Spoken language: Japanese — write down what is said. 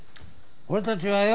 俺たちはよ